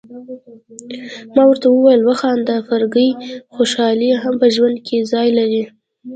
ما ورته وویل: وخانده فرګي، خوشالي هم په ژوند کي ځای لري.